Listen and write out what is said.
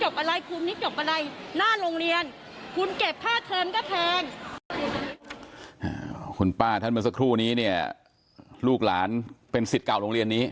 ห่าวคุณป้าักครู่นี้ลูกหลานเป็นสิทธิ์ก่่อโรงเรียนนี้